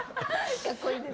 かっこいいです。